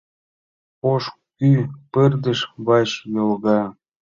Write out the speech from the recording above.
Ош кӱ пырдыж вач йолга